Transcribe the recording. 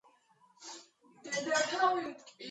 დიდი როლი ითამაშა ბოდენის ტბის მორფოლოგიის განვითარებაში.